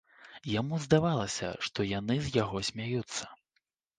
Яму здавалася, што яны з яго смяюцца.